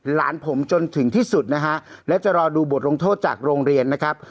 หลานผมจนถึงที่สุดนะฮะและจะรอดูบทลงโทษจากโรงเรียนนะครับ